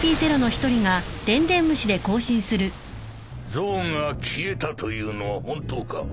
ゾウが消えたというのは本当か？